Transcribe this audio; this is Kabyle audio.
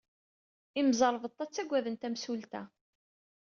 Imẓerbeḍḍa ttaggaden tamsulta.